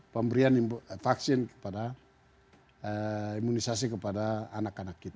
pemberian vaksin kepada imunisasi kepada anak anak kita